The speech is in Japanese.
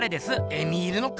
エミールの彼？